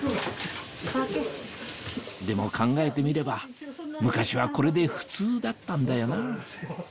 でも考えてみれば昔はこれで普通だったんだよなぁ